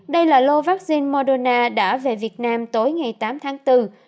đây là lô vaccine moderna đã về việt nam tối ngày tám tháng bốn